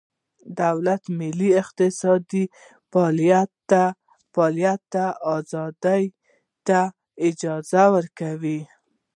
دولت د ملي اقتصادي فعالیت ازادۍ ته اجازه ورکوي